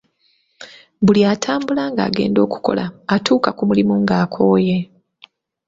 Buli atambula ng’agenda okukola atuuka ku mulimu ng’akooye.